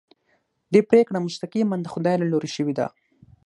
دې پرېکړه مستقیماً د خدای له لوري شوې ده.